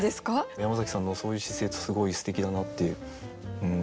山崎さんのそういう姿勢ってすごいすてきだなって思いますね。